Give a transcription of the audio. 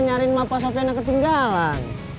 nyariin mak sofyan yang ketinggalan